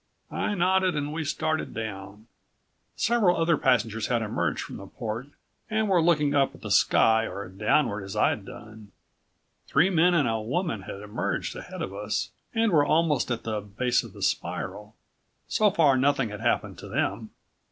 I nodded and we started down. Several other passengers had emerged from the port and were looking up at the sky or downward as I'd done. Three men and a woman had emerged ahead of us and were almost at the base of the spiral. So far nothing had happened to them.